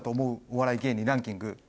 お笑い芸人ランキング